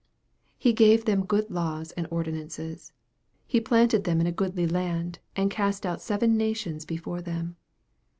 He gave them good laws and ordinances. He planted them in a goodly land, and cast out seven nations before them.